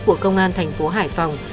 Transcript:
của công an thành phố hải phòng